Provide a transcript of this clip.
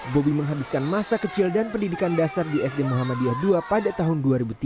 bobi menghabiskan masa kecil dan pendidikan dasar di sd muhammadiyah ii pada tahun dua ribu tiga